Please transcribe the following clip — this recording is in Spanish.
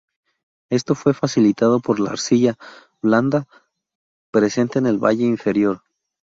Esto fue facilitado por la arcilla blanda presente en el valle inferior.